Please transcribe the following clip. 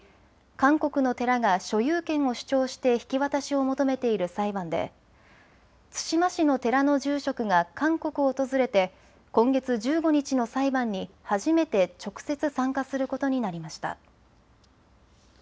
韓国の寺が所有権を主張して引き渡しを求めている裁判で対馬市の寺の住職が韓国を訪れて今月１５日の裁判に初めて直接参加することになりました。